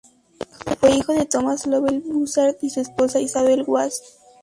Fue hijo de Thomas Lovell Buzzard y su esposa Isabel Wass.